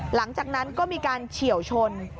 หลังจากนั้นก็มีการเฉียวชน